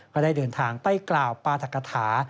ก็ได้เดินทางไปกราวต์ปาถกาถา